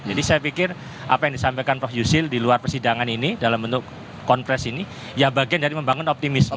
jadi saya pikir apa yang disampaikan prof yusril di luar persidangan ini dalam bentuk konfres ini ya bagian dari membangun optimisme